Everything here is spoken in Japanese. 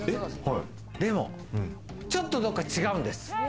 でも、ちょっとどっか違うんです。